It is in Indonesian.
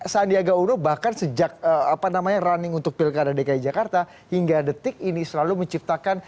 sandiaga uno bahkan sejak running untuk pilkada dki jakarta hingga detik ini selalu menciptakan